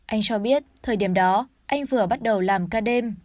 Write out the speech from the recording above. anh cho biết thời điểm đó anh vừa bắt đầu làm ca đêm